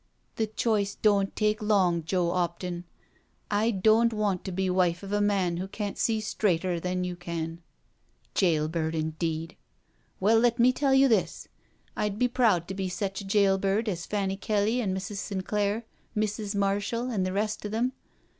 *' The choice doan't take long, Joe 'Opton. I doan't want to be wife of a man who can't see straighter than you can. Jail bird, indeed I Well, let me tell you this, I'd be proud to be sech a jail bird as Fanny Kelly an' Mrs. Sinclair, Mrs. Marshall an' the rest o' them.